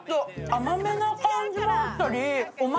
甘めな感じもあったり。